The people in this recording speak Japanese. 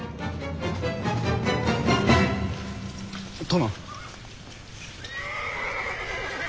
殿。